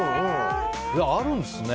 あるんですね。